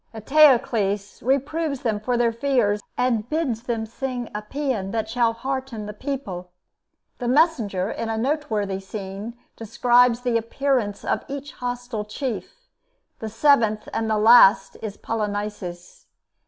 Eteocles reproves them for their fears, and bids them sing a paean that shall hearten the people. The messenger, in a noteworthy scene, describes the appearance of each hostile chief. The seventh and last is Polynices.